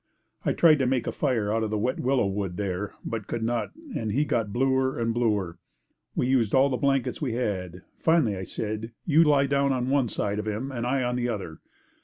I tried to make a fire out of the wet willow wood there, but could not and he got bluer and bluer. We used all the blankets we had. Finally I said, "You lie down on one side of him and I on the other."